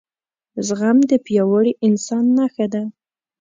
زغم دپیاوړي انسان نښه ده